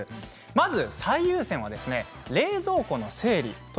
まず最優先は冷蔵庫の整理。